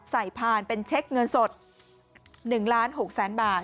ใส่ผ่านเป็นเช็คเงินสด๑๖๐๐๐๐๐บาท